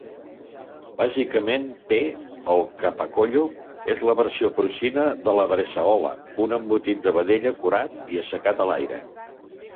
Bàsicament,p el "capocollo" és la versió porcina de la "bresaola", un embotit de vedella curat i assecat a l'aire.